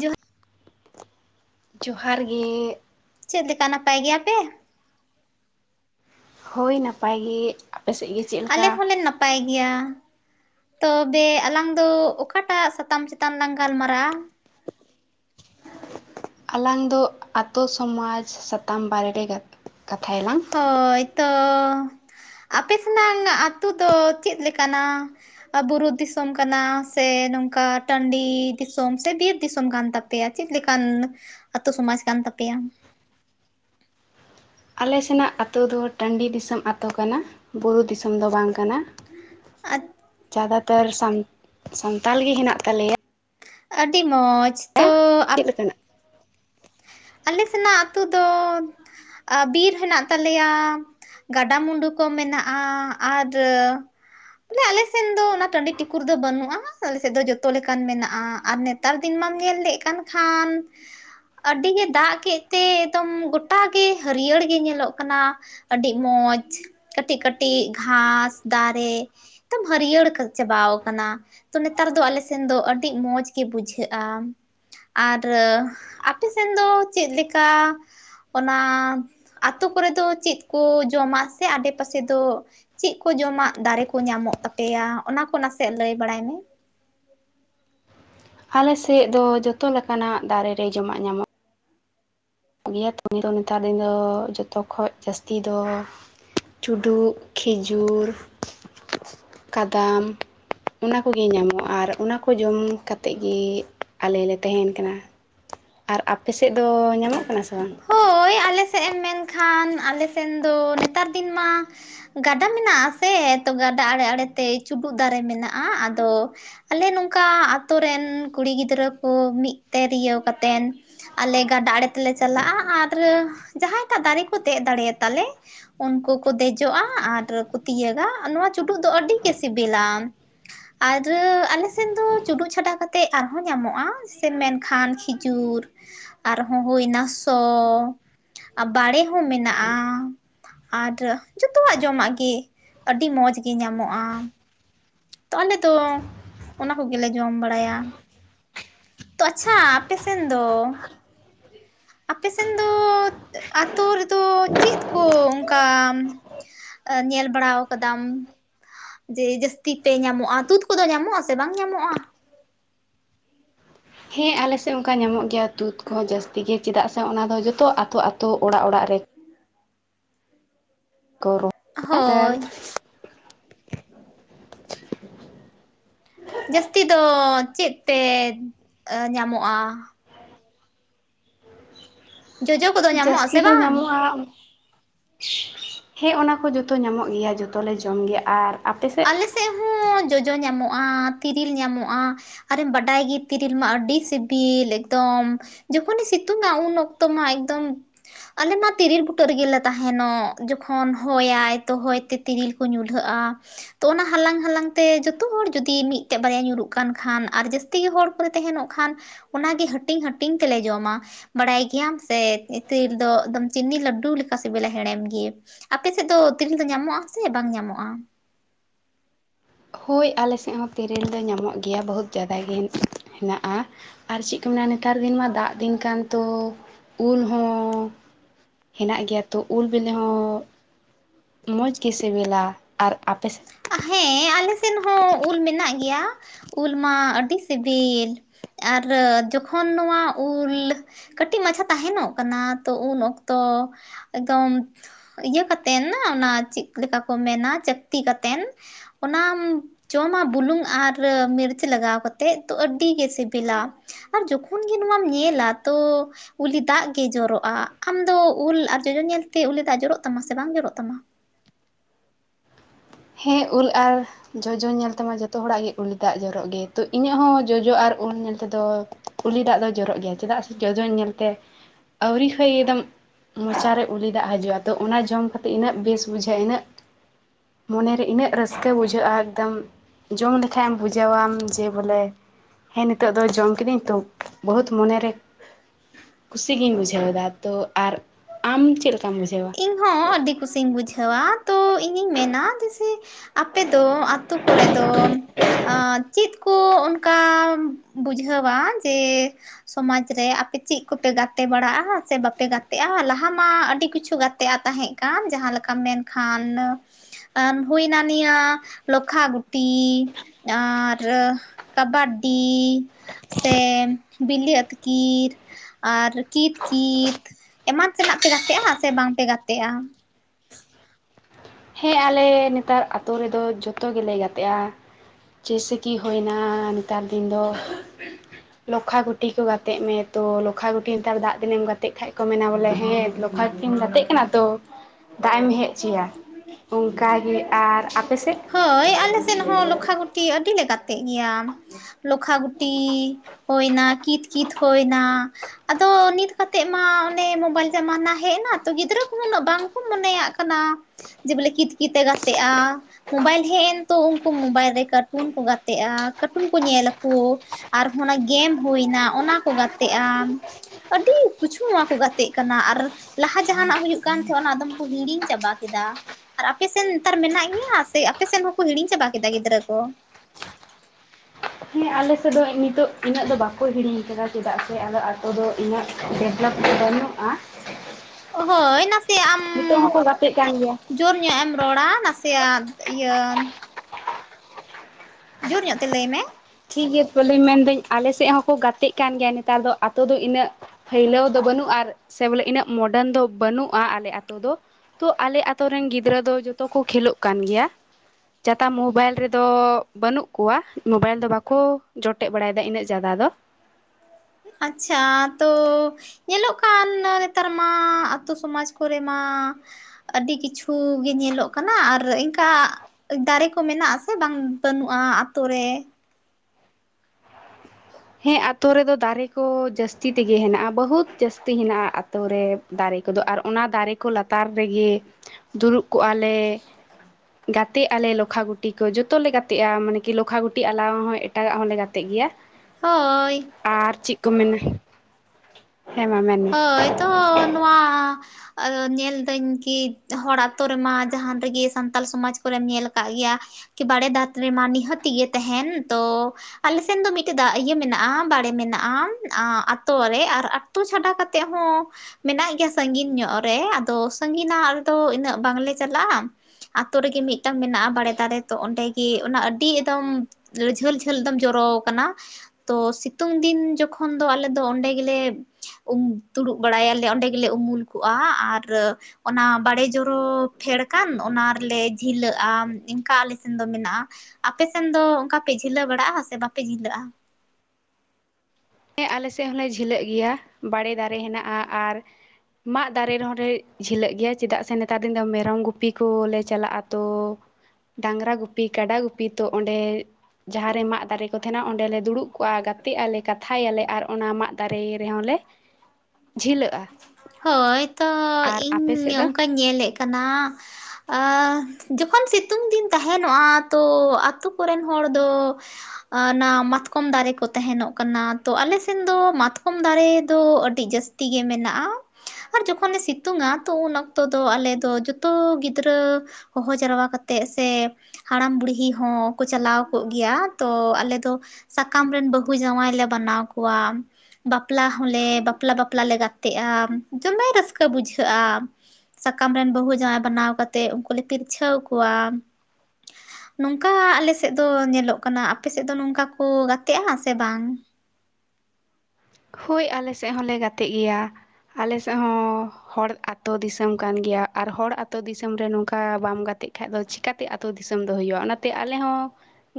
ᱡᱚᱦᱟᱨ ᱡᱚᱸᱦᱟᱨ ᱜᱮ ᱪᱮᱫ ᱞᱮᱠᱟ ᱱᱟᱯᱟᱭ ᱜᱮᱭᱟ ᱯᱮ ᱦᱳᱭ ᱱᱟᱯᱟᱭ ᱜᱮ ᱟᱯᱮ ᱥᱮᱫ ᱜᱮ ᱪᱮᱫ ᱟᱞᱮ ᱞᱮᱠᱟ? ᱦᱚᱸ ᱞᱮ ᱱᱟᱯᱟᱭ ᱜᱮᱭᱟ ᱛᱚᱵᱮ ᱟᱞᱟᱝ ᱫᱚ ᱚᱠᱟ ᱴᱟᱜ ᱥᱟᱛᱟᱢ ᱪᱮᱛᱟᱱ ᱞᱟᱝ ᱜᱟᱞᱢᱟᱨᱟᱜᱼᱟ ᱟᱞᱟᱝ ᱫᱚ ᱟᱛᱳ ᱥᱚᱢᱟᱡᱽ ᱥᱟᱛᱟᱢ ᱵᱟᱭᱨᱮ ᱠᱟ ᱠᱟᱛᱷᱟᱭᱟᱞᱟᱝ ᱦᱳᱭ ᱛᱚ ᱟᱯᱮ ᱥᱮᱱᱟᱝ ᱟᱹᱛᱩ ᱫᱚ ᱪᱮᱫ ᱞᱮᱠᱟᱱᱟ ᱵᱩᱨᱩ ᱫᱤᱥᱚᱢ ᱠᱟᱱᱟ ᱥᱮ ᱱᱚᱝᱠᱟ ᱴᱟᱺᱰᱤ ᱫᱤᱥᱚᱢ ᱥᱮ ᱵᱤᱨ ᱫᱤᱥᱚᱢ ᱠᱟᱱ ᱛᱟᱯ ᱛᱮᱭᱟ ᱪᱮᱫ ᱞᱮᱠᱟᱱ ᱟᱛᱳ ᱥᱚᱢᱟᱡᱽ ᱠᱟᱱ ᱛᱟᱯᱮᱭᱟ ᱟᱞᱮ ᱥᱮᱱᱟᱜ ᱟᱛᱳ ᱫᱚ ᱴᱟᱺᱰᱤ ᱫᱤᱥᱚᱢ ᱟᱛᱳ ᱠᱟᱱᱟ ᱵᱩᱨᱩ ᱫᱤᱥᱚᱢ ᱫᱚ ᱵᱟᱝ ᱠᱟᱱᱟ ᱟᱪ ᱡᱟᱫᱟ ᱛᱚᱨ ᱥᱟᱢ ᱥᱟᱱᱛᱟᱞ ᱜᱮ ᱦᱮᱱᱟᱜ ᱛᱟᱞᱮᱭᱟ ᱟᱹᱰᱤ ᱢᱚᱡᱽ ᱛᱚ ᱠᱟᱱᱟᱜ ᱟᱞᱮ ᱥᱮᱱᱟᱜ ᱟᱹᱛᱩ ᱫᱚ ᱵᱤᱨ ᱦᱮᱱᱟᱜ ᱛᱟᱞᱮᱭᱟ ᱜᱟᱰᱟ ᱢᱩᱰᱩ ᱠᱚ ᱢᱮᱱᱟᱜᱼᱟ ᱟᱨ ᱵᱚᱞᱮ ᱟᱞᱮ ᱥᱮᱱ ᱫᱚ ᱚᱱᱟ ᱴᱟᱺᱰᱤ ᱴᱤᱠᱩᱨ ᱫᱚ ᱵᱟᱹᱱᱩᱜᱼᱟ ᱟᱞᱮ ᱥᱮᱫ ᱫᱚ ᱡᱚᱛᱚ ᱞᱮᱠᱟᱱ ᱢᱮᱱᱟᱜᱼᱟ ᱟᱨ ᱱᱮᱛ ᱱᱮᱛᱟᱨ ᱫᱤᱱ ᱢᱟᱢ ᱧᱮᱞ ᱞᱮᱫ ᱠᱟᱱ ᱠᱷᱟᱱ ᱟᱹᱰᱤ ᱜᱮ ᱫᱟᱜ ᱠᱮᱫ ᱛᱮ ᱮᱠᱫᱚᱢ ᱜᱚᱴᱟ ᱜᱮ ᱦᱟᱹᱨᱭᱟᱹᱲ ᱜᱮ ᱧᱮᱞᱚᱜ ᱠᱟᱱᱟ ᱟᱹᱰᱤ ᱢᱚᱡᱽ᱾ ᱠᱟᱹᱴᱤᱡᱽ ᱠᱟᱹᱴᱤᱡᱽ ᱜᱷᱟᱥ ᱫᱟᱨᱮ ᱮᱠᱫᱚᱢ ᱦᱟᱹᱨᱭᱟᱹᱲ ᱪᱟᱵᱟᱣ ᱟᱠᱟᱱᱟ ᱛᱚ ᱱᱮᱛᱟᱨ ᱫᱚ ᱟᱞᱮ ᱥᱮᱱ ᱫᱚ ᱟᱹᱰᱤ ᱢᱚᱡᱽ ᱜᱮ ᱵᱩᱡᱷᱟᱹᱜᱼᱟ ᱟᱨ ᱟᱯᱮ ᱥᱮᱱ ᱫᱚ ᱪᱮᱫ ᱞᱮᱠᱟ ᱚᱱᱟ ᱟᱛᱳ ᱠᱚᱨᱮ ᱫᱚ ᱪᱮᱫ ᱠᱚ ᱡᱚᱢᱟ ᱥᱮ ᱟᱰᱮ ᱯᱟᱥᱮ ᱫᱚ ᱪᱮᱫ ᱠᱚ ᱡᱚᱢᱟᱜ ᱫᱟᱨᱮ ᱠᱚ ᱧᱟᱢᱚᱜ ᱛᱟᱯᱮᱭᱟ ᱚᱱᱟ ᱠᱚ ᱱᱟᱥᱮᱭᱟᱜ ᱞᱟᱹᱭ ᱵᱟᱲᱟᱭ ᱢᱮ ᱟᱞᱮ ᱥᱮᱫ ᱫᱚ ᱡᱚᱛᱚ ᱞᱮᱠᱟ ᱱᱟᱜ ᱫᱟᱨᱮ ᱨᱮ ᱡᱚᱢᱟᱜ ᱧᱟᱢᱚᱜ ᱜᱮᱭᱟᱛ ᱩᱱ ᱫᱚ ᱱᱮᱛᱟᱨ ᱫᱤᱱ ᱫᱚ ᱡᱚᱛᱚ ᱠᱷᱚᱡ ᱡᱟᱹᱥᱛᱤ ᱫᱚ ᱪᱩᱰᱩᱜ ᱠᱷᱤᱡᱩᱨ ᱠᱟᱫᱟᱢ ᱚᱱᱟ ᱠᱚᱜᱮ ᱧᱟᱢᱚᱜᱼᱟ ᱟᱨ ᱚᱱᱟᱠᱚ ᱡᱚᱢ ᱠᱟᱛᱮᱫ ᱜᱮ ᱟᱞᱮ ᱞᱮ ᱛᱟᱦᱮᱱ ᱠᱟᱱᱟ᱾ ᱟᱨ ᱟᱯᱮ ᱥᱮᱫ ᱫᱚ ᱧᱟᱢᱚᱜ ᱠᱟᱱᱟ ᱥᱮ ᱵᱟᱝ? ᱦᱳᱭ ᱟᱞᱮᱥᱮᱫ ᱮᱢ ᱢᱮᱱᱠᱷᱟᱱ ᱟᱞᱮ ᱥᱮᱱ ᱫᱚ ᱱᱮᱛᱟᱨ ᱫᱤᱱ ᱢᱟ ᱜᱟᱰᱟ ᱢᱮᱱᱟᱜ ᱟᱥᱮ ᱛᱚ ᱜᱟᱰᱟ ᱟᱲᱮ ᱟᱲᱮᱛᱮ ᱪᱩᱰᱩᱜ ᱫᱟᱨᱮ ᱢᱮᱱᱟᱜᱼᱟ, ᱟᱫᱚ ᱟᱞᱮ ᱱᱚᱝᱠᱟ ᱟᱹᱛᱩ ᱨᱮᱱ ᱠᱩᱲᱤ ᱜᱤᱫᱽᱨᱟᱹ ᱠᱚ ᱢᱤᱫ ᱛᱮ ᱨᱤᱭᱟᱹᱣ ᱠᱟᱛᱮᱱ ᱟᱞᱮ ᱜᱟᱰᱟ ᱟᱲᱮ ᱛᱮᱞᱮ ᱪᱟᱞᱟᱜᱼᱟ ᱟᱨ ᱡᱟᱦᱟᱸᱭ ᱴᱟᱠ ᱫᱟᱨᱮ ᱠᱚ ᱫᱮᱡ ᱫᱟᱲᱮᱭᱟᱛᱟᱞᱮ᱾ ᱩᱱᱠᱩ ᱠᱚ ᱫᱮᱡᱚᱜᱼᱟ ᱟᱨ ᱠᱚ ᱛᱤᱭᱟᱹᱜᱟ ᱱᱚᱣᱟ ᱪᱩᱰᱩᱜ ᱫᱚ ᱟᱹᱰᱤ ᱜᱮ ᱥᱤᱵᱤᱞᱟ᱾ ᱟᱨ ᱟᱞᱮ ᱥᱮᱱ ᱫᱚ ᱪᱩᱰᱩ ᱪᱷᱟᱰᱟ ᱠᱟᱛᱮᱫ ᱟᱨᱦᱚᱸ ᱧᱟᱢᱚᱜᱼᱟ᱾ ᱥᱮ ᱢᱮᱱᱠᱷᱟᱱ ᱠᱷᱤᱡᱩᱨ, ᱟᱨᱦᱚᱸ ᱦᱩᱭᱱᱟ ᱥᱚ, ᱵᱟᱲᱮ ᱦᱚᱸ ᱢᱮᱱᱟᱜᱼᱟ᱾ ᱟᱨ ᱡᱚᱛᱚᱣᱟᱜ ᱡᱚᱢᱟᱜ ᱜᱮ ᱟᱹᱰᱤ ᱢᱚᱡᱽ ᱜᱮ ᱧᱟᱢᱚᱜᱼᱟ᱾ ᱛᱚ ᱟᱞᱮ ᱫᱚ ᱚᱱᱟ ᱠᱚᱜᱮᱞᱮ ᱡᱚᱢ ᱵᱟᱲᱟᱭᱟ᱾ ᱛᱚ ᱟᱪᱪᱷᱟ ᱟᱞᱮᱥᱮᱱ ᱫᱚ ᱟᱯᱮ ᱥᱮᱱ ᱫᱚ ᱟᱹᱛᱩ ᱨᱮᱫᱚ ᱪᱮᱫ ᱠᱚ ᱚᱝᱠᱟ ᱧᱮᱞ ᱵᱟᱲᱟ ᱠᱟᱫᱟᱢ? ᱡᱮ ᱡᱟᱹᱥᱛᱤ ᱯᱮ ᱧᱟᱢᱚᱜᱼᱟ, ᱛᱩᱫ ᱠᱚᱫᱚ ᱧᱟᱢᱚᱜᱼᱟᱥᱮ ᱵᱟᱝ ᱧᱟᱢᱚᱜᱼᱟ? ᱦᱮᱸ ᱟᱞᱮᱥᱮᱫ ᱚᱱᱠᱟ ᱧᱟᱢᱚᱜ ᱜᱮᱭᱟ ᱛᱩᱫ ᱠᱚᱦᱚᱸ ᱡᱟᱹᱥᱛᱤ ᱜᱮ ᱪᱮᱫᱟᱜ ᱥᱮ ᱚᱱᱟ ᱫᱚ ᱡᱚᱛᱚ ᱟᱹᱛᱩ-ᱟᱹᱛᱩ ᱚᱲᱟᱜ- ᱚᱲᱟᱜ ᱨᱮ [unintelligible] ᱦᱳᱭ ᱡᱟᱹᱥᱛᱤ ᱫᱚ ᱪᱮᱫ ᱛᱮᱫ ᱧᱟᱢᱚᱜᱼᱟ? ᱡᱚᱡᱚ ᱠᱚᱫᱚ ᱧᱟᱢᱚᱜ ᱡᱟᱹᱥᱛᱤ ᱟᱥᱮ ᱫᱚ ᱵᱟᱝ? ᱧᱟᱢᱚᱜᱼᱟ ᱦᱮᱸ ᱚᱱᱟ ᱠᱚ ᱡᱚᱛᱚ ᱧᱟᱢᱚᱜ ᱜᱮᱭᱟ, ᱡᱚᱛᱚᱮ ᱡᱚᱢ ᱜᱮᱭᱟ ᱟᱨ ᱟᱞᱮ ᱥᱮᱫ ᱦᱚᱸ ᱡᱚᱡᱚ ᱧᱟᱢᱚᱜᱼᱟ, ᱛᱤᱨᱤᱞ ᱧᱟᱢᱚᱜᱼᱟ᱾ ᱟᱨ ᱮᱢ ᱵᱟᱰᱟᱭ ᱜᱮ ᱛᱤᱨᱤᱞ ᱢᱟ ᱟᱹᱰᱤ ᱥᱤᱵᱤᱞ ᱮᱠᱫᱚᱢ᱾ ᱡᱚᱠᱷᱚᱱᱮ ᱥᱤᱛᱩᱝᱼᱟ, ᱩᱱ ᱚᱠᱛᱚ ᱢᱟ ᱮᱠᱫᱚᱢ ᱟᱞᱮ ᱢᱟ ᱛᱤᱨᱤᱞ ᱵᱩᱴᱟᱹ ᱨᱮᱜᱮ ᱛᱟᱦᱮᱱᱚᱜ, ᱡᱚᱠᱷᱚᱱ ᱦᱚᱭ-ᱟᱭ ᱛᱚ ᱦᱚᱭ ᱛᱮᱨᱤᱞ ᱠᱚ ᱧᱩᱨᱦᱟᱹᱜᱼᱟ᱾ ᱛᱚ ᱚᱱᱟ ᱦᱟᱞᱟᱝ ᱦᱟᱞᱟᱝ ᱛᱮ ᱡᱚᱛᱚ ᱦᱚᱲ ᱡᱩᱫᱤ ᱢᱤᱫᱴᱮᱱ ᱵᱟᱨᱭᱟ ᱧᱩᱨᱩᱜ ᱠᱟᱱ ᱠᱷᱟᱱ ᱟᱨ ᱡᱟᱹᱥᱛᱤ ᱜᱮ ᱦᱚᱲ ᱠᱚᱨᱮ ᱛᱟᱦᱮᱱᱚᱜ ᱠᱷᱟᱱ ᱚᱱᱟᱜᱮ ᱦᱟᱹᱴᱤᱧ ᱦᱟᱹᱴᱤᱧ ᱛᱮᱞᱮ ᱡᱚᱢᱟ᱾ ᱵᱟᱲᱟᱭ ᱜᱮᱭᱟᱢ ᱥᱮ ᱤᱛᱤᱞ ᱫᱚ ᱮᱠᱫᱚᱢ ᱪᱤᱱᱤ ᱞᱟᱹᱰᱩ ᱞᱮᱠᱟ ᱥᱤᱵᱤᱞᱟ ᱦᱮᱲᱮᱢ ᱜᱮ᱾ ᱟᱯᱮ ᱥᱮᱫ ᱫᱚ ᱛᱤᱨᱤᱞ ᱫᱚ ᱧᱟᱢᱚᱜ ᱟᱥᱮ ᱵᱟᱝ ᱧᱟᱢᱚᱜᱼᱟ? ᱦᱳᱭ ᱟᱞᱮᱥᱮᱫ ᱦᱚᱸ ᱛᱨᱮᱤᱞ ᱫᱚ ᱧᱟᱢᱚᱜ ᱜᱮᱭᱟ, ᱵᱚᱦᱩᱛ ᱡᱟᱫᱟ ᱜᱮ ᱦᱮᱱᱟᱜᱼᱟ᱾ ᱟᱨ ᱪᱮᱫ ᱠᱚ ᱢᱮᱱᱟ ᱱᱮᱛᱟᱨ ᱫᱤᱱ ᱢᱟ ᱫᱟᱜ ᱫᱤᱱ ᱠᱟᱱ ᱛᱚ ᱩᱞ ᱦᱚᱸ ᱦᱮᱱᱟᱜ ᱜᱮᱭᱟ ᱛᱚ ᱩᱞ ᱵᱤᱞᱤ ᱦᱚᱸ ᱢᱚᱡᱽ ᱜᱮ ᱥᱤᱵᱤᱞᱟ ᱟᱨ ᱟᱯᱮ ᱥᱮᱫ ᱦᱮᱸ ᱟᱞᱮ ᱥᱮᱫ ᱦᱚᱸ ᱩᱞ ᱢᱮᱱᱟᱜ ᱜᱮᱭᱟ ᱩᱞ ᱢᱟ ᱟᱹᱰᱤ ᱥᱤᱵᱤᱞ ᱟᱨ ᱡᱚᱠᱷᱚᱱ ᱱᱚᱣᱟ ᱩᱞ ᱠᱟᱹᱴᱤᱡ ᱢᱟᱪᱷᱟ ᱛᱟᱦᱮᱱᱚᱜ ᱠᱟᱱᱟ ᱛᱚ ᱩᱱ ᱚᱠᱛᱚ ᱮᱠᱫᱚᱢ ᱤᱭᱟᱹ ᱠᱟᱛᱮᱫ, ᱚᱱᱟ ᱪᱮᱫ ᱞᱮᱠᱟ ᱠᱚ ᱢᱮᱱᱟ, ᱪᱟᱹᱠᱛᱤ ᱠᱟᱛᱮᱱ ᱚᱱᱟᱢ ᱡᱚᱢᱟᱜ ᱵᱩᱞᱩᱝ ᱟᱨ ᱢᱤᱨᱤᱪ ᱞᱟᱜᱟᱣ ᱠᱟᱛᱮᱫ ᱛᱚ ᱟᱹᱰᱤᱜᱮ ᱥᱤᱵᱤᱞᱟ ᱟᱨ ᱡᱚᱠᱷᱚᱱ ᱜᱮ ᱱᱚᱣᱟᱢ ᱧᱮᱞᱟ ᱛᱚ ᱩᱞᱤ ᱫᱟᱜ ᱜᱮ ᱡᱚᱨᱚᱜᱼᱟ᱾ ᱟᱢᱫᱚ ᱩᱞ ᱟᱨ ᱡᱚᱡᱚ ᱧᱮᱞᱛᱮ ᱩᱞᱤ ᱫᱟᱜ ᱡᱚᱨᱚᱜ ᱛᱟᱢᱟ ᱥᱮ ᱵᱟᱝ ᱡᱚᱨᱚᱜ ᱛᱟᱢᱟ? ᱦᱮᱸ ᱩᱞ ᱟᱨ ᱡᱚᱡᱚ ᱧᱮᱞ ᱛᱮᱢᱟ ᱡᱚᱛᱚ ᱦᱚᱲᱟᱜ ᱜᱮ ᱩᱞ ᱞᱮᱫᱟ ᱡᱚᱨᱚᱜ ᱜᱮ, ᱛᱚ ᱤᱧᱟᱹᱜ ᱦᱚᱸ ᱡᱚᱡᱚ ᱟᱨ ᱩᱞ ᱧᱮᱞ ᱛᱮᱫᱚ ᱩᱞᱤ ᱫᱟᱜ ᱫᱚ ᱡᱚᱨᱚᱜ ᱜᱮᱭᱟ ᱪᱮᱫᱟᱜ ᱥᱮ ᱡᱚᱡᱚᱱ ᱧᱮᱞᱛᱮ ᱟᱹᱣᱨᱤ ᱠᱷᱚᱱ ᱮᱠᱫᱚᱢ ᱢᱚᱪᱟᱨᱮ ᱩᱞᱤ ᱫᱟᱜ ᱦᱤᱡᱩᱜᱼᱟ ᱛᱚ ᱚᱱᱟ ᱡᱚᱢ ᱠᱟᱛᱮ ᱤᱱᱟᱹᱜ ᱵᱮᱥ ᱵᱩᱡᱷᱟᱹᱜᱼᱟ ᱤᱱᱟᱹᱜ ᱢᱚᱱᱮᱨᱮ ᱤᱱᱟᱹᱜ ᱨᱟᱹᱥᱠᱟᱹ ᱵᱩᱡᱷᱟᱹᱜᱼᱟ ᱮᱠᱫᱚᱢ ᱡᱚᱢ ᱞᱮᱠᱷᱟᱡᱢ ᱵᱩᱡᱷᱟᱹᱣᱟᱢ ᱡᱮ ᱵᱚᱞᱮ ᱦᱮᱸ ᱱᱤᱛᱚᱜ ᱫᱚ ᱡᱚᱢ ᱠᱤᱫᱟᱹᱧ ᱛᱚ ᱵᱚᱦᱩᱛ ᱢᱚᱱᱮᱨᱮ ᱠᱩᱥᱤᱜᱤᱧ ᱵᱩᱡᱷᱟᱹᱣ ᱮᱫᱟ᱾ ᱛᱚ ᱟᱨ ᱟᱢ ᱪᱮᱫ ᱞᱮᱠᱟᱢ ᱵᱩᱡᱷᱟᱹᱣᱟ? ᱤᱧ ᱦᱚᱸᱚᱸ ᱟᱹᱰᱤ ᱠᱩᱥᱤᱧ ᱵᱩᱡᱷᱟᱹᱣᱟ, ᱛᱚ ᱤᱧᱤᱧ ᱢᱮᱱᱟ ᱡᱮᱥᱮ ᱟᱯᱮ ᱫᱚ ᱟᱹᱛᱩ ᱠᱚᱨᱮ ᱫᱚ ᱟᱹᱻ ᱪᱮᱫ ᱠᱚ ᱚᱱᱠᱟ ᱵᱩᱡᱷᱟᱹᱣᱟ ᱡᱮ ᱥᱚᱢᱟᱡ ᱨᱮ ᱟᱯᱮ ᱪᱮᱫ ᱠᱚᱯᱮ ᱜᱟᱛᱮ ᱵᱟᱲᱟᱜᱼᱟ ᱥᱮ ᱵᱟᱯᱮ ᱜᱟᱛᱮᱜᱼᱟ ᱞᱟᱦᱟ ᱢᱟ ᱟᱹᱰᱤ ᱠᱤᱪᱷᱩ ᱜᱟᱛᱮ ᱛᱮᱭᱟᱜ ᱛᱟᱦᱮᱸ ᱠᱟᱱ ᱡᱟᱦᱟᱸᱮ ᱞᱮᱠᱟᱢ ᱢᱮᱱᱠᱷᱟᱱ ᱦᱩᱭᱱᱟ ᱱᱤᱭᱟᱹ ᱞᱚᱠᱷᱟ ᱜᱩᱴᱤ ᱟᱨᱻ ᱠᱟᱵᱟᱰᱤ ᱥᱮᱻ ᱵᱤᱞᱤ ᱟᱹᱛᱠᱤᱨ ᱟᱨ ᱠᱤᱛ ᱠᱤᱛ, ᱮᱢᱟᱱ ᱛᱮᱱᱟᱜ ᱯᱮ ᱜᱟᱛᱮᱜᱼᱟ ᱥᱮ ᱵᱟᱝᱯᱮ ᱜᱟᱛᱮᱜᱼᱟ ᱦᱮᱸ ᱟᱞᱮ ᱱᱮᱛᱟᱨ ᱟᱛᱳ ᱨᱮᱫᱚ ᱡᱚᱛᱚ ᱜᱮᱞᱮ ᱜᱟᱛᱮᱜᱼᱟ ᱡᱮᱭᱥᱮ ᱠᱤ ᱦᱩᱭᱱᱟ ᱱᱮᱛᱟᱨ ᱫᱤᱱ ᱫᱚ ᱞᱚᱠᱷᱟ ᱜᱩᱴᱤ ᱠᱚ ᱜᱟᱛᱮᱜ ᱢᱮ ᱛᱚ ᱞᱚᱠᱷᱟ ᱜᱩᱴᱤ ᱱᱮᱛᱟᱨ ᱫᱟᱜ ᱫᱤᱱᱮᱢ ᱜᱟᱛᱮᱜ ᱠᱷᱟᱡ ᱠᱚ ᱢᱮᱱᱟ ᱵᱚᱞᱮ ᱦᱮᱸ ᱠᱷᱴᱷᱟᱛ ᱠᱤᱱ ᱜᱟᱛᱮᱜ ᱠᱟᱱᱟ ᱛᱚ, ᱫᱟᱜ ᱮᱢ ᱦᱮᱡ ᱚᱪᱚᱭᱟ ᱚᱱᱠᱟ ᱜᱮ ᱟᱨ ᱥᱮᱫ ᱦᱳᱭ ᱟᱞᱮ ᱥᱮᱫ ᱦᱚᱸ ᱞᱚᱠᱷᱟ ᱜᱩᱚᱴᱤ, ᱟᱹᱰᱤᱞᱮ ᱜᱟᱛᱮᱜ ᱜᱮᱭᱟ ᱞᱚᱠᱷᱟ ᱜᱩᱴᱤ ᱦᱩᱭᱱᱟ, ᱠᱤᱛ ᱠᱤᱛ ᱦᱩᱭᱱᱟ ᱟᱫᱚ ᱱᱤᱛ ᱠᱟᱛᱮ ᱢᱟ ᱚᱱᱮ, ᱢᱳᱵᱟᱭᱤᱞ ᱛᱮ ᱢᱟᱱᱟ ᱦᱮᱡ ᱮᱱᱟ ᱛᱚ ᱜᱤᱫᱽᱨᱟᱹ ᱠᱚᱦᱚᱸ ᱩᱱᱟᱹᱜ ᱵᱟᱝ ᱠᱚ ᱢᱚᱱᱮᱭᱟᱜ ᱠᱟᱱᱟ ᱡᱮ ᱵᱚᱞᱮ, ᱠᱤᱛ ᱠᱤᱛ ᱮ ᱜᱟᱛᱮᱜᱼᱟ ᱢᱳᱵᱟᱭᱤᱞ ᱦᱮᱡ ᱮᱱ ᱛᱚ, ᱩᱱᱠᱩ ᱢᱳᱵᱟᱭᱤᱞ ᱨᱮ ᱠᱟᱨᱴᱩᱱ ᱠᱚ ᱜᱟᱛᱮᱜᱼᱟ, ᱠᱟᱨᱴᱩᱱ ᱠᱚ ᱧᱮᱞ ᱟᱠᱚ ᱟᱨᱦᱚᱸ ᱚᱱᱟ ᱜᱮᱢ ᱦᱩᱭᱱᱟ, ᱚᱱᱟ ᱠᱚ ᱜᱟᱛᱮᱜᱼᱟ ᱟᱹᱰᱤ ᱠᱤᱪᱷᱩ, ᱱᱚᱣᱟ ᱠᱚ ᱜᱟᱛᱮᱜ ᱠᱟᱱᱟ ᱟᱨ ᱞᱟᱦᱟ ᱡᱟᱦᱟᱸᱟᱱᱟᱜ ᱦᱩᱭᱩᱜ ᱠᱟᱱ ᱛᱟᱦᱮᱸᱟᱦᱮ ᱟᱫᱚᱢ ᱠᱚ ᱦᱤᱲᱤᱧ ᱪᱟᱵᱟ ᱠᱮᱫᱟ ᱟᱨ ᱟᱯᱮᱥᱮᱫ ᱱᱮᱛᱟᱨ ᱢᱮᱱᱟᱜ ᱜᱮᱭᱟ ᱟᱯᱮᱥᱱ ᱦᱚᱸᱠᱩ ᱦᱤᱲᱤᱧ ᱪᱟᱵᱟ ᱠᱮᱫᱟ ᱜᱤᱫᱽᱨᱟᱹ ᱠᱚ ᱦᱮᱸ ᱟᱞᱮᱥᱮᱫ ᱫᱚ ᱱᱤᱛᱚᱜ ᱤᱱᱟᱹᱜ ᱫᱚ ᱵᱟᱠᱚ ᱦᱤᱲᱤᱧ ᱟᱠᱟᱫᱟ ᱪᱮᱫᱟᱜ ᱥᱮ ᱟᱫᱚ ᱟᱛᱳ ᱫᱚ ᱤᱱᱟᱹᱜ ᱰᱮᱵᱷᱞᱚᱯ ᱵᱟᱹᱱᱩᱜᱼᱟ ᱦᱳᱭ ᱱᱟᱥᱮᱭᱟ ᱱᱤᱛᱚᱜ ᱦᱚᱸᱠᱚ ᱜᱟᱛᱮᱜ ᱠᱟᱱ ᱜᱮᱭᱟ ᱡᱳᱨ ᱧᱚᱜ ᱮᱢ ᱨᱚᱲᱟ ᱱᱟᱥᱮᱭᱟᱜ ᱤᱭᱟᱹᱻ ᱡᱳᱨ ᱧᱚᱜ ᱛᱮ ᱞᱟᱹᱭ ᱢᱮ ᱴᱷᱤᱠ ᱜᱮᱭᱟ, ᱛᱚᱵᱮ ᱢᱮᱱᱫᱟᱹᱧ ᱟᱞᱮ ᱥᱮᱫ ᱦᱚᱸᱠᱚ ᱜᱟᱛᱮᱜ ᱠᱟᱱ ᱜᱮᱭᱟ ᱱᱮᱛᱟᱨ ᱫᱚ ᱟᱛᱳ ᱫᱚ ᱤᱱᱟᱹᱜ ᱯᱷᱟᱹᱭᱞᱟᱹᱣ ᱫᱚ ᱵᱟᱹᱱᱩᱜᱼᱟ ᱥᱮ ᱵᱚᱞᱮ ᱤᱱᱟᱹᱜ ᱢᱚᱰᱟᱨᱱ ᱫᱚ ᱵᱟᱹᱱᱩᱜᱼᱟ ᱟᱞᱮ ᱟᱛᱳ ᱫᱚ ᱛᱚ, ᱟᱞᱮ ᱟᱛᱳ ᱨᱮᱱ ᱜᱤᱫᱽᱨᱟᱹ ᱫᱚ ᱡᱚᱛᱚ ᱠᱚ ᱠᱷᱮᱞᱳᱜ ᱠᱟᱱ ᱜᱮᱭᱟ ᱡᱟᱫᱟ ᱢᱳᱵᱟᱭᱤᱞ ᱨᱮᱫᱚ ᱵᱟᱹᱱᱩᱜ ᱠᱚᱣᱟ, ᱢᱳᱵᱟᱭᱤᱞ ᱫᱚ ᱵᱟᱠᱚ ᱠᱚ ᱡᱚᱴᱮᱫ ᱵᱟᱲᱟᱭᱮᱫᱟ ᱤᱱᱟᱹᱜ ᱡᱟᱫᱟ ᱫᱚ ᱟᱪᱪᱷᱟ ᱛᱚᱻ ᱧᱮᱞᱚᱜ ᱠᱟᱱ ᱱᱮᱛᱟᱨ ᱢᱟᱻ ᱟᱛᱳ ᱥᱚᱢᱟᱡᱽ ᱠᱚᱨᱮ ᱢᱟᱻ ᱟᱹᱰᱤ ᱠᱤᱪᱷᱩ ᱜᱮ ᱧᱮᱞᱚᱜ ᱠᱟᱱᱟ ᱟᱨ ᱤᱱᱠᱟ ᱫᱟᱨᱮ ᱠᱚ ᱢᱮᱱᱟᱜ ᱟᱥᱮ ᱵᱟᱝ ᱵᱟᱹᱱᱩᱜᱼᱟ ᱟᱛᱳ ᱨᱮ ᱦᱮᱸ ᱟᱛᱳ ᱨᱮᱫᱚ ᱫᱟᱨᱮ ᱠᱚᱻ ᱡᱟᱹᱥᱛᱤ ᱛᱮᱜᱮ ᱦᱮᱱᱟᱜᱼᱟ ᱵᱚᱦᱩᱛ ᱡᱟᱹᱥᱛᱤ ᱦᱮᱱᱟᱜᱼᱟ ᱟᱛᱳ ᱨᱮ ᱫᱟᱨᱮ ᱠᱚᱫᱚ ᱟᱨ ᱚᱱᱟ ᱫᱟᱨᱮ ᱠᱚ ᱞᱟᱛᱟᱨ ᱨᱮᱜᱮ ᱫᱩᱲᱩᱵ ᱠᱚᱜᱼᱟ ᱞᱮ ᱜᱟᱛᱮᱜ ᱟᱞᱮ ᱞᱚᱠᱷᱟᱟᱜᱩᱴᱤ ᱠᱚ ᱡᱚᱛᱚᱞᱮ ᱜᱟᱛᱮᱜᱼᱟ, ᱢᱟᱱᱮ ᱠᱤ ᱞᱚᱠᱷᱟᱟᱜᱩᱴᱤ ᱟᱞᱟᱣ ᱦᱚᱸ ᱮᱴᱟᱜᱟᱜ ᱦᱚᱸᱞᱮ ᱜᱟᱛᱮᱜ ᱜᱮᱭᱟ ᱦᱳᱭᱻ ᱟᱨ ᱪᱮᱫ ᱠᱚ ᱢᱮᱱᱟ ᱦᱮᱸ ᱢᱟ ᱢᱮᱱ ᱢᱮ ᱦᱳᱻ ᱭᱛᱚ ᱱᱚᱣᱟ ᱟ ᱧᱮᱞ ᱫᱟᱹᱧ ᱠᱤ ᱦᱚᱲ ᱟᱹᱛᱩᱳ ᱨᱮᱢᱟ ᱡᱟᱦᱟᱸ ᱨᱮᱜᱮ ᱥᱟᱱᱛᱟᱲ ᱥᱚᱢᱟᱡᱽ ᱠᱚᱨᱮᱢ ᱧᱮᱞ ᱟᱠᱟᱜ ᱜᱮᱭᱟ ᱠᱤ ᱵᱟᱲᱮ ᱫᱛ ᱨᱮᱢᱟ ᱱᱤᱦᱟᱹᱛᱤ ᱜᱮ ᱛᱟᱦᱮᱱ ᱫᱚ ᱟᱞᱮᱥᱮᱱ ᱫᱚ ᱢᱤᱫᱴᱮᱡᱟᱜ ᱤᱭᱟᱹ ᱢᱮᱱᱟᱜᱼᱟ ᱵᱟᱲᱮ ᱢᱮᱱᱟᱜᱼᱟᱛᱳ ᱨᱮ ᱟᱨ ᱩᱛᱩᱳ ᱪᱷᱟᱰᱟ ᱠᱟᱛᱮᱫ ᱦᱚᱸ ᱢᱮᱱᱟᱜ ᱜᱮᱭᱟ ᱥᱟᱺᱜᱤᱧ ᱧᱚᱜ ᱨᱮᱻ ᱟᱫᱚ ᱥᱟᱺᱜᱤᱧᱱᱟᱜ ᱨᱮᱫᱚ ᱩᱱᱟᱹᱜ ᱵᱟᱝᱞᱮ ᱪᱟᱞᱟᱜᱼᱟ ᱟᱛᱳ ᱨᱮᱜᱮ ᱢᱤᱫᱴᱟᱝ ᱢᱮᱱᱟᱜᱼᱟ, ᱵᱟᱲᱮ ᱫᱟᱨᱮ ᱛᱚ ᱚᱸᱰᱮᱜᱮ ᱚᱱᱟ ᱟᱹᱰᱤ ᱮᱠᱫᱚᱢ ᱡᱷᱟᱹᱞ ᱡᱷᱟᱹᱞ ᱫᱚᱢ ᱡᱚᱨᱚᱣᱟ ᱟᱠᱟᱱᱟ ᱛᱚ ᱥᱤᱛᱩᱝ ᱫᱤᱱ ᱡᱚᱠᱷᱚᱱ ᱫᱚ ᱟᱞᱮ ᱫᱚ ᱚᱸᱰᱮ ᱜᱮᱞᱮ ᱩᱢ ᱫᱩᱲᱩᱵ ᱵᱟᱲᱟᱭᱟᱞᱮ ᱚᱸᱰᱮ ᱜᱮᱞᱮ ᱩᱢᱩᱞ ᱠᱚᱜᱼᱟ ᱟᱨ ᱚᱱᱟ ᱵᱟᱲᱮ ᱡᱚᱨᱚ ᱯᱷᱮᱲ ᱠᱟᱱ ᱚᱱᱟ ᱨᱮᱞᱮ ᱡᱷᱤᱞᱟᱹᱜᱼᱟ ᱤᱱᱠᱟ ᱟᱞᱮ ᱥᱮᱱ ᱫᱚ ᱢᱮᱱᱟᱜᱼᱟ ᱟᱯᱮᱥᱮᱱ ᱫᱚ ᱚᱱᱠᱟ ᱯᱮ ᱡᱷᱤᱞᱟᱹ ᱵᱟᱲᱟᱜᱼᱟ ᱥᱮ ᱵᱟᱯᱮ ᱡᱷᱤᱞᱟᱹᱜᱼᱟ ᱦᱮᱸ ᱟᱞᱮ ᱥᱮᱫ ᱦᱚᱸᱞᱮ ᱡᱷᱤᱞᱟᱹᱜ ᱜᱮᱭᱟ ᱵᱟᱲᱮ ᱫᱟᱨᱮ ᱦᱮᱱᱟᱜᱼᱟ ᱟᱨ ᱢᱟᱫ ᱫᱟᱨᱮ ᱨᱮᱦᱚᱸ ᱞᱮ ᱡᱷᱤᱞᱟᱹᱜ ᱜᱮᱭᱟ ᱪᱮᱫᱟᱜ ᱥᱮ ᱱᱮᱛᱟᱨ ᱫᱤᱱ ᱫᱚ ᱢᱮᱨᱚᱢ ᱜᱩᱯᱤ ᱠᱚᱞᱮ ᱪᱟᱞᱟᱜᱼᱟ ᱛᱚ ᱰᱟᱝᱨᱟ ᱜᱩᱯᱤ ᱠᱟᱰᱟ ᱜᱩᱯᱤ ᱛᱚ ᱚᱸᱰᱮ ᱡᱟᱦᱟᱸ ᱨᱮ ᱢᱟᱜ ᱫᱟᱨᱮ ᱠᱚ ᱛᱟᱦᱮᱱᱟ ᱚᱸᱰᱮ ᱞᱮ ᱫᱩᱲᱩᱵ ᱠᱚᱜᱼᱟ ᱜᱟᱛᱮᱜ ᱟᱞᱮ ᱠᱟ ᱠᱟᱛᱷᱟᱭᱟᱞᱮ ᱟᱨ ᱚᱱᱟ ᱢᱟᱫ ᱫᱟᱨᱮ ᱨᱮᱦᱚᱸ ᱞᱮ ᱡᱷᱤᱞᱟᱹᱜ ᱦᱳᱭ ᱛᱚ ᱟᱯᱮ ᱤᱧ ᱥᱮᱫ ᱫᱚ ᱚᱱᱠᱟᱧ ᱧᱮᱞᱮᱫ ᱠᱟᱱᱟ ᱟᱸ ᱡᱚᱠᱷᱚᱱ ᱥᱤᱛᱩᱝ ᱫᱤᱱ ᱛᱟᱦᱮᱱᱚᱜᱼᱟ ᱛᱚ ᱟᱛᱳ ᱠᱚᱨᱮᱱ ᱦᱚᱲ ᱫᱚ ᱚᱱᱟ ᱢᱟᱛᱠᱚᱢ ᱫᱟᱨᱮ ᱠᱚ ᱛᱟᱦᱮᱱᱚᱜ ᱠᱟᱱᱟ ᱛᱚ ᱟᱞᱮ ᱥᱮᱱ ᱫᱚ ᱢᱟᱛᱠᱚᱢ ᱫᱟᱨᱮ ᱫᱚ ᱟᱹᱰᱤ ᱡᱟᱹᱥᱛᱤ ᱛᱤᱜᱮ ᱢᱮᱱᱟᱜᱼᱟ ᱟᱨ ᱡᱚᱠᱷᱚᱱ ᱮ ᱥᱤᱛᱩᱝᱟ ᱛᱚ ᱩᱱ ᱚᱠᱛᱚ ᱫᱚ ᱟᱞᱮ ᱫᱚ ᱡᱚᱛᱚ ᱜᱤᱫᱽᱨᱟᱹ ᱦᱚᱦᱚ ᱡᱟᱣᱨᱟ ᱠᱟᱛᱮᱫ ᱥᱮ ᱦᱟᱲᱟᱢ ᱵᱩᱲᱦᱤ ᱦᱚᱸᱠᱚ ᱪᱟᱞᱟᱣ ᱠᱚᱜ ᱜᱮᱭᱟ ᱛᱚ ᱟᱞᱮ ᱫᱚ ᱦᱟ ᱥᱟᱠᱟᱢ ᱨᱮᱱ ᱵᱟᱹᱦᱩ ᱡᱟᱶᱟᱭ ᱞᱮ ᱵᱮᱟᱱᱟᱣ ᱠᱚᱣᱟ ᱵᱟᱯᱞᱟ ᱦᱚᱸᱞᱮ ᱵᱟᱯᱞᱟᱞᱟ ᱵᱟᱯᱞᱟ ᱞᱮ ᱜᱟᱛᱮᱜᱼᱟ ᱫᱚᱢᱮ ᱨᱟᱹᱥᱠᱟᱹ ᱵᱩᱡᱷᱟᱹᱜᱼᱟ ᱥᱟᱠᱟᱢ ᱨᱮᱱ ᱵᱟᱹᱦᱩ ᱡᱟᱶᱟᱭ ᱵᱮᱱᱟᱣ ᱠᱟᱛᱮᱫ ᱩᱱᱠᱩ ᱞᱮ ᱯᱤᱨᱪᱷᱟᱹᱣ ᱠᱚᱣᱟ ᱱᱚᱝᱠᱟ ᱟᱞᱮ ᱥᱮᱫ ᱫᱚ ᱧᱮᱞᱚᱜ ᱠᱟᱱᱟ ᱟᱯᱮ ᱥᱮᱫ ᱫᱚ ᱱᱚᱝᱠᱟ ᱠᱚ ᱜᱟᱛᱮᱜᱼᱟ ᱥᱮ ᱵᱟᱝ ᱦᱳᱭ ᱟᱞᱮ ᱥᱮᱫ ᱦᱚᱸᱞᱮ ᱜᱟᱛᱮᱜ ᱜᱮᱭᱟ ᱟᱞᱮ ᱥᱮᱫ ᱦᱚᱸ ᱦᱚᱲ ᱟᱛᱳ ᱫᱤᱥᱚᱢ ᱠᱟᱱ ᱜᱮᱭᱟ ᱟᱨ ᱦᱚᱲ ᱟᱛᱳ ᱫᱤᱥᱚᱢ ᱨᱮ ᱱᱚᱝᱠᱟ ᱵᱟᱢ ᱜᱟᱛᱮᱜ ᱠᱷᱟᱱᱡ ᱫᱚ ᱪᱤᱠᱟ ᱪᱮᱠᱟᱛᱮ ᱟᱛᱳ ᱫᱤᱥᱚᱢ ᱫᱚ ᱦᱩᱭᱩᱜᱼᱟ ᱚᱱᱟᱛᱮ ᱟᱞᱮ ᱦᱚᱸ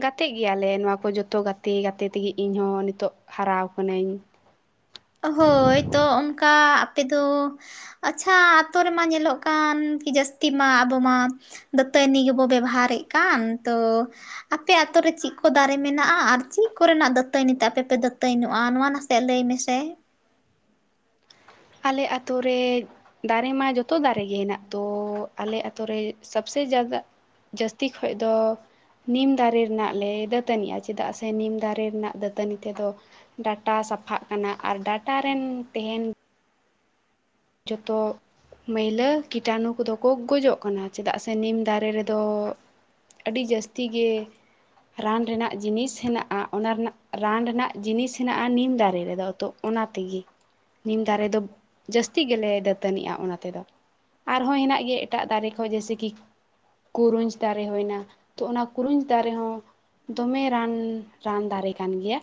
ᱜᱟᱛᱮ ᱜᱮᱭᱟᱞᱮ ᱱᱚᱣᱟ ᱠᱚ ᱡᱚᱛᱚ ᱜᱟᱛᱮ ᱜᱟᱛᱮ ᱛᱮᱜᱮ ᱤᱧᱦᱚᱸ ᱱᱤᱛᱚᱜ ᱦᱟᱨᱟ ᱟᱠᱟᱹᱱᱟᱹᱧ ᱦᱳᱭ ᱛᱚ ᱚᱱᱠᱟ ᱟᱯᱮᱫᱚ ᱟᱪᱷᱟ ᱟᱛᱳ ᱨᱮᱢᱟ ᱧᱮᱞᱚᱜ ᱠᱟᱱ ᱠᱤ ᱡᱟᱹᱥᱛᱤ ᱢᱟ ᱟᱵᱚ ᱢᱟ ᱫᱟᱹᱛᱟᱹᱱᱤ ᱜᱮᱵᱚ ᱵᱮᱵᱚᱦᱟᱨᱮᱫ ᱠᱟᱱ ᱛᱚ ᱟᱯᱮ ᱟᱛᱳ ᱨᱮ ᱪᱮᱫ ᱠᱚ ᱫᱟᱨᱮ ᱢᱮᱱᱟᱜᱼᱟ ᱟᱨ ᱪᱮᱫ ᱠᱚᱨᱮᱱᱟᱜ ᱫᱟᱹᱛᱟᱹᱱᱤ ᱛᱮ ᱟᱯᱮᱯᱮ ᱫᱟᱹᱛᱟᱹᱱᱤᱚᱜᱼᱟ ᱱᱚᱣᱟ ᱱᱟᱥᱮᱭᱟᱜ ᱞᱟᱹᱭ ᱢᱮᱥᱮ ᱟᱞᱮ ᱟᱛᱳ ᱨᱮ ᱫᱟᱨᱮ ᱢᱟ ᱡᱚᱛᱚ ᱫᱟᱨᱮ ᱜᱮ ᱦᱮᱱᱟᱜ ᱛᱚ ᱟᱞᱮ ᱟᱛᱩᱨ ᱨᱮ ᱥᱚᱵᱥᱮ [unintelligible] ᱡᱟᱹᱥᱛᱤ ᱠᱷᱚᱡ ᱫᱚ ᱱᱤᱢ ᱫᱟᱨᱮ ᱨᱮᱱᱟᱜ ᱞᱮ ᱫᱟᱹᱛᱟᱹᱱᱤᱜᱼᱟ ᱪᱮᱫᱟᱜ ᱥᱮ ᱱᱤᱢ ᱫᱟᱨᱮ ᱨᱮᱱᱟᱜ ᱫᱟᱹᱛᱟᱹᱱᱤ ᱛᱮᱫᱚ ᱰᱟᱴᱟ ᱥᱟᱯᱷᱟᱜ ᱠᱟᱱᱟ ᱟᱨ ᱰᱟᱴᱟ ᱨᱮᱱ ᱛᱟᱦᱮᱱ ᱡᱚᱛᱚ ᱢᱟᱹᱭᱞᱟᱹ ᱠᱤᱴᱟᱱᱩ ᱠᱚᱫᱚ ᱠᱚ ᱜᱚᱡᱚᱜ ᱠᱟᱱᱟ ᱪᱮᱫᱟᱜ ᱥᱮ ᱱᱤᱢ ᱫᱟᱨᱮ ᱨᱮᱫᱚ ᱟᱹᱰᱤ ᱡᱟᱹᱥᱛᱤ ᱜᱮ ᱨᱟᱱ ᱨᱮᱱᱟᱜ ᱡᱤᱱᱤᱥ ᱦᱮᱱᱟᱜᱼᱟ ᱚᱱᱟ ᱨᱮᱱᱟᱜ ᱨᱟᱱ ᱨᱮᱱᱟᱜ ᱡᱤᱱᱤᱥ ᱦᱮᱱᱟᱜᱼᱟ ᱱᱤᱢ ᱫᱟᱨᱮ ᱨᱮᱫᱚ ᱛᱚ ᱚᱱᱟ ᱛᱮᱜᱮ ᱱᱤᱢ ᱫᱟᱨᱮ ᱫᱚ ᱵᱩ ᱡᱟᱹᱥᱛᱤ ᱜᱮᱞᱮ ᱫᱟᱹᱛᱟᱹᱱᱤᱜᱼᱟ ᱚᱱᱟ ᱛᱮᱫᱚ ᱟᱨᱦᱚᱸ ᱦᱮᱱᱟᱜ ᱜᱮᱭᱟ ᱮᱴᱟᱜ ᱫᱟᱨᱮ ᱠᱷᱚᱱ ᱡᱟᱥᱤ ᱜᱮ ᱠᱩᱨᱩᱸᱡᱽ ᱫᱟᱨᱮ ᱦᱩᱭᱱᱟ ᱛᱚ ᱚᱱᱟ ᱠᱩᱨᱩᱸᱡᱽ ᱫᱟᱨᱮ ᱦᱚᱸ ᱫᱚᱢᱮ ᱨᱟᱱ ᱨᱟᱱ ᱫᱟᱨᱮ ᱠᱟᱱ ᱜᱮᱭᱟ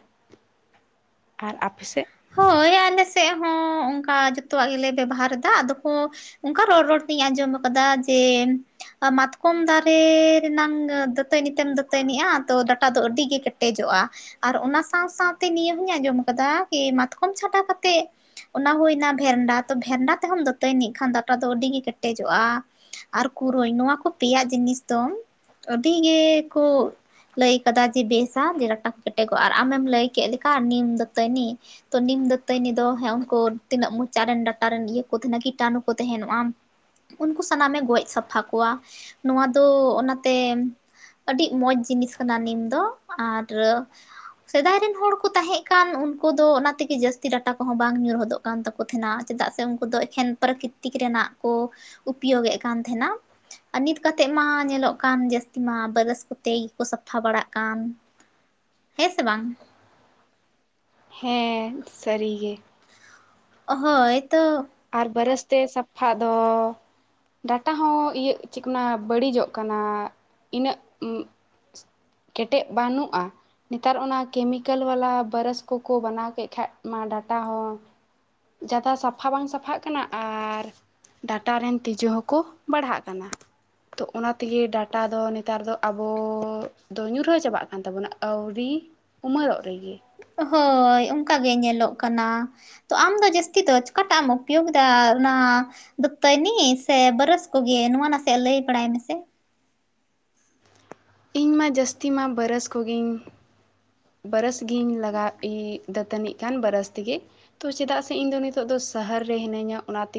ᱟᱨ ᱟᱯᱮᱥᱮᱫ ᱦᱳᱭ ᱟᱞᱮ ᱥᱮᱫ ᱦᱚᱸ ᱚᱱᱠᱟ ᱡᱚᱛᱚᱣᱟᱜ ᱜᱮᱞᱮ ᱵᱮᱵᱚᱦᱟᱨ ᱮᱫᱟ ᱟᱫᱚ ᱠᱚ ᱚᱱᱠᱟ ᱨᱚᱲ ᱨᱚᱲ ᱛᱤᱧ ᱟᱸᱡᱚᱢ ᱟᱠᱟᱫᱟ ᱡᱮ ᱢᱟᱛᱠᱚᱢ ᱫᱟᱨᱮ ᱨᱮᱱᱟᱝ ᱫᱟᱹᱛᱟᱹᱱᱤ ᱛᱮᱢ ᱫᱟᱹᱛᱟᱹᱱᱤᱜᱼᱟ ᱛᱚ ᱰᱟᱴᱟ ᱫᱚ ᱟᱹᱰᱤᱜᱮ ᱠᱮᱴᱮᱡᱚᱜᱼᱟ ᱟᱨ ᱚᱱᱟ ᱥᱟᱶ ᱥᱟᱶᱛᱮ ᱱᱤᱭᱟᱹ ᱦᱚᱧ ᱟᱸᱡᱚᱢ ᱠᱟᱫᱟ ᱡᱮ ᱢᱟᱛᱠᱚᱢ ᱪᱷᱟᱛᱟ ᱠᱟᱛᱮᱫ ᱚᱱᱟ ᱦᱩᱭᱱᱟ ᱵᱷᱮᱱᱰᱟ ᱛᱚ ᱵᱷᱮᱱᱰᱟ ᱛᱮᱦᱚᱸ ᱫᱟᱹᱛᱟᱹᱭᱱᱤᱜ ᱠᱷᱟᱱ ᱫᱟᱴᱟ ᱫᱚ ᱟᱹᱰᱤ ᱜᱮ ᱠᱮᱴᱮᱡᱚᱜᱼᱟ ᱟᱨ ᱠᱩᱨᱟᱹᱭ ᱱᱚᱣᱟ ᱠᱚ ᱯᱮᱭᱟ ᱡᱤᱱᱤᱥ ᱫᱚ ᱟᱹᱰᱤ ᱜᱮᱠᱚ ᱞᱟᱹᱭ ᱠᱟᱫᱟ ᱡᱮ ᱵᱮᱥᱟ ᱡᱮ ᱴᱟᱴᱟ ᱠᱚ ᱠᱮᱴᱮᱡᱚᱜᱼᱟ ᱟᱨ ᱟᱢᱮᱢ ᱞᱟᱹᱭ ᱠᱮᱫ ᱞᱮᱠᱟ ᱱᱤᱢ ᱫᱟᱹᱛᱟᱹᱱᱤ ᱛᱚ ᱱᱤᱢ ᱫᱟᱹᱛᱟᱹᱱᱤ ᱫᱚ ᱦᱮᱸ ᱩᱱᱠᱩ ᱛᱤᱱᱟᱹᱜ ᱢᱚᱪᱟ ᱨᱮᱱ ᱴᱟᱴᱟᱨᱮᱱ ᱤᱭᱟᱹ ᱠᱚ ᱛᱟᱦᱮᱱᱟ ᱠᱤᱴᱟᱱᱩ ᱠᱚ ᱛᱟᱦᱮᱱᱚᱜᱼᱟ ᱩᱱᱠᱩ ᱥᱟᱱᱟᱢᱮ ᱜᱚᱡ ᱥᱟᱯᱷᱟ ᱠᱚᱣᱟ ᱱᱚᱣᱟ ᱫᱚ ᱚᱱᱟᱛᱮ ᱟᱹᱰᱤ ᱢᱚᱡᱽ ᱡᱤᱱᱤᱥ ᱠᱟᱱᱟ ᱱᱤᱢ ᱫᱚ ᱟᱨ ᱥᱮᱫᱟᱭ ᱨᱮᱱ ᱦᱚᱲ ᱠᱚ ᱛᱟᱦᱮᱸ ᱠᱟᱱ ᱩᱱᱠᱩ ᱩᱱᱠᱩ ᱫᱚ ᱚᱱᱟ ᱛᱮᱜᱮ ᱡᱟᱹᱥᱛᱤ ᱰᱟᱴᱟ ᱠᱚᱦᱚᱸ ᱵᱟᱝ ᱧᱩᱨᱦᱚᱫᱚᱜ ᱠᱟᱱ ᱛᱟᱠᱚ ᱛᱟᱦᱮᱱᱟ ᱪᱮᱫᱟᱜ ᱥᱮ ᱩᱱᱠᱩ ᱫᱚ ᱮᱠᱮᱱ ᱯᱨᱟᱠᱤᱛ ᱛᱤᱠ ᱨᱮᱱᱟᱜ ᱠᱚ ᱩᱯᱭᱚᱭᱳᱜ ᱮᱫ ᱠᱟᱱ ᱛᱟᱦᱮᱱᱟ ᱟᱨ ᱱᱤᱛ ᱠᱟᱛᱮᱫ ᱢᱟ ᱧᱮᱞᱚᱜ ᱠᱟᱱ ᱡᱟᱹᱥᱛᱤ ᱢᱟ ᱵᱟᱨᱥ ᱠᱚᱛᱮ ᱜᱮᱠᱚ ᱥᱟᱯᱷᱟ ᱵᱟᱲᱟᱜ ᱠᱟᱱ ᱦᱮᱸ ᱥᱮ ᱵᱟᱝ ᱦᱮᱸ ᱥᱟᱹᱨᱤ ᱜᱮ ᱦᱳᱭ ᱛᱚ ᱟᱨ ᱵᱟᱹᱨᱚᱥ ᱛᱮ ᱥᱟᱯᱷᱟ ᱫᱚ ᱰᱟᱴᱟ ᱦᱚᱸ ᱤᱭᱟᱹᱜ ᱪᱤᱠᱱᱟ ᱵᱟᱹᱲᱤᱡᱚᱜ ᱠᱟᱱᱟ ᱤᱱᱟᱹᱜ ᱠᱮᱴᱮᱡ ᱵᱟᱹᱱᱩᱜᱼᱟ ᱱᱮᱛᱟᱨ ᱚᱱᱟ ᱠᱮᱢᱤᱠᱮᱞ ᱵᱟᱞᱟ ᱵᱟᱨᱚᱥ ᱠᱚᱠᱚ ᱵᱮᱱᱟᱣ ᱠᱮᱫ ᱠᱷᱟᱡ ᱢᱟ ᱰᱟᱴᱟ ᱦᱚᱸ ᱡᱟᱫᱟ ᱥᱟᱯᱷᱟ ᱵᱟᱝ ᱥᱟᱯᱷᱟᱜ ᱠᱟᱱᱟ ᱟᱨ ᱰᱟᱴᱟ ᱨᱮᱱ ᱛᱤᱡᱩ ᱦᱚᱸᱠᱚ ᱵᱟᱲᱦᱟᱜ ᱠᱟᱱᱟ ᱛᱚ ᱚᱱᱟ ᱛᱮᱜᱮ ᱰᱟᱴᱟ ᱫᱚ ᱱᱮᱛᱟᱨ ᱫᱚ ᱟᱵᱚ ᱫᱚ ᱧᱩᱨᱦᱟᱹ ᱪᱟᱵᱟᱜ ᱠᱟᱱ ᱛᱟᱵᱚᱱᱟ ᱟᱹᱣᱨᱤ ᱩᱢᱮᱨᱚᱜ ᱨᱮᱜᱮ ᱦᱳᱭ ᱚᱱᱠᱟ ᱜᱮ ᱧᱮᱞᱚᱜ ᱠᱟᱱᱟ ᱛᱚ ᱟᱢᱫᱚ ᱡᱟᱹᱥᱛᱤ ᱫᱚ ᱪᱠᱟᱴᱟᱜ ᱮᱢ ᱩᱯᱚᱭᱳᱜᱽ ᱮᱫᱟ ᱚᱱᱟ ᱫᱚᱛᱚᱭᱱᱤ ᱥᱮ ᱵᱟᱨᱚᱥ ᱠᱚᱜᱮ ᱱᱚᱣᱟ ᱱᱟᱥᱮᱭᱟᱜ ᱞᱟᱹᱭ ᱵᱟᱲᱟᱭ ᱢᱮᱥᱮ ᱾ ᱤᱧ ᱢᱟ ᱡᱟᱹᱥᱛᱤ ᱢᱟ ᱵᱟᱨᱚᱥ ᱠᱚᱜᱮᱧ ᱵᱟᱨᱚᱥ ᱜᱤᱧ ᱞᱟᱜᱟᱣ ᱫᱟᱹᱛᱟᱹᱱᱤᱜ ᱠᱟᱱ ᱵᱟᱨᱚᱥ ᱛᱮᱜᱮ ᱛᱚ ᱪᱮᱫᱟᱜ ᱥᱮ ᱤᱧ ᱫᱚ ᱱᱤᱛᱚᱜ ᱫᱚ ᱥᱚᱦᱚᱨ ᱨᱮ ᱦᱤᱱᱟᱹᱧᱟ ᱚᱱᱟ ᱛᱮᱜᱮ